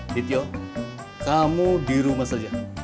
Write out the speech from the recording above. titio kamu di rumah saja